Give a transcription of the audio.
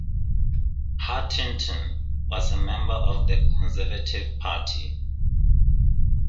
Hartington was a member of the Conservative Party.